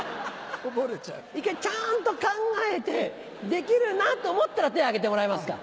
一回ちゃんと考えてできるなと思ったら手挙げてもらえますか？